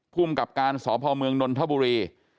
ผู้มกับการสพมนนทบุรี